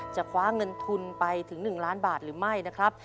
คว้าเงินทุนไปถึง๑ล้านบาทหรือไม่นะครับ